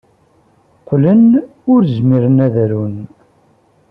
Qqlen ur zmiren ad arun.